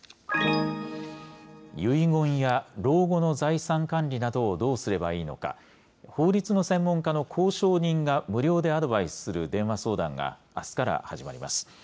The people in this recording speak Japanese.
遺言や老後の財産管理などをどうすればいいのか、法律の専門家の公証人が無料でアドバイスする電話相談が、あすから始まります。